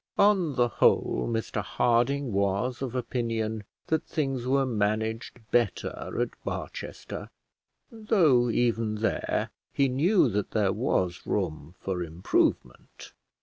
On the whole Mr Harding was of opinion that things were managed better at Barchester, though even there he knew that there was room for improvement.